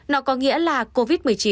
nó có nghĩa là covid một mươi chín